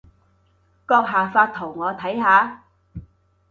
閣下發圖我睇下